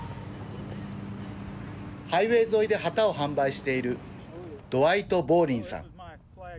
ハイウェー沿いで旗を販売しているドワイト・ボーリンさん。